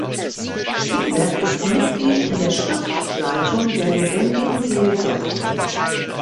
Spielberg ist Mitglied in der Schriftleitung der Lebendigen Seelsorge.